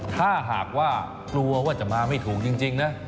ถ้าหากว่ากลัวว่าจะมาไม่ถูกจริงนะ